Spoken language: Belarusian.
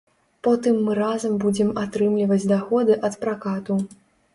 Потым мы разам будзем атрымліваць даходы ад пракату.